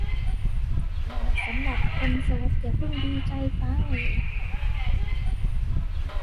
แต่สำหรับคนโสดอย่าเพิ่งดีใจไป